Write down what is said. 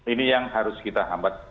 ini yang harus kita hambat